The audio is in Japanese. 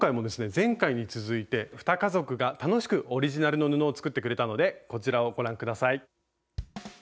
前回に続いて２家族が楽しくオリジナルの布を作ってくれたのでこちらをご覧下さい。